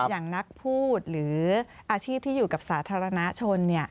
อย่างนักพูดหรืออาชีพที่อยู่กับสาธารณชน